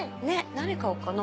何買おうかな？